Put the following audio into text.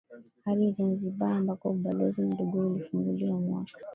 hadi Zanzibar ambako ubalozi mdogo ulifunguliwa mwaka